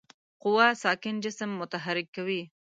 قوه ساکن جسم متحرک کوي.